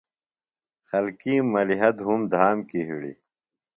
خلکِیم ملِیحہ دُھوم دھام کیۡ ہِڑیۡ۔